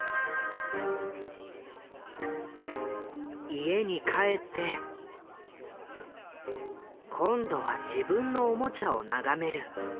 家に帰って今度は自分のおもちゃを眺める。